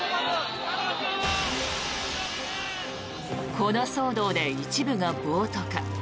この騒動で一部が暴徒化。